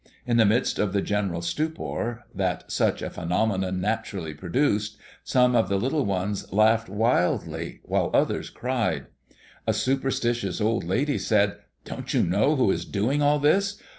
In the midst of the general stupor that such a phenomenon naturally produced, some of the little ones laughed wildly, while others cried. A superstitious old lady said, "Don't you know who is doing all this?